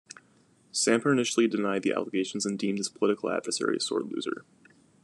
Samper initially denied the allegations and deemed his political adversary a sore loser.